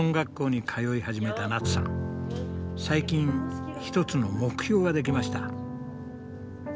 最近一つの目標ができました。